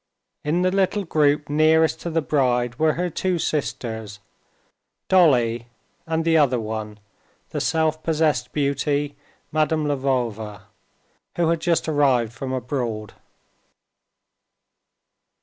In the little group nearest to the bride were her two sisters: Dolly, and the other one, the self possessed beauty, Madame Lvova, who had just arrived from abroad.